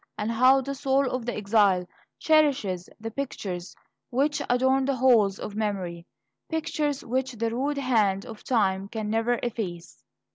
and how the soul of the exile cherishes the pictures which adorn the halls of memory, pictures which the rude hand of time can never efface!